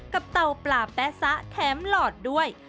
เตาปลาแป๊ซะแถมหลอดด้วย